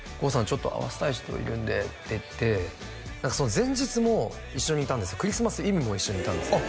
「ちょっと会わせたい人いるんで」って言ってその前日も一緒にいたんですクリスマスイブも一緒にいたんですよ